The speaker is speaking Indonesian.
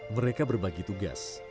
mereka berbagi tugas